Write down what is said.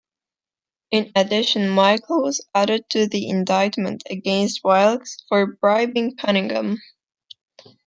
In addition Michael was added to the indictment against Wilkes for bribing Cunningham.